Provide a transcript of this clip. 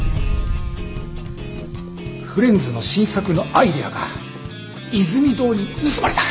フレンズの新作のアイデアがイズミ堂に盗まれた。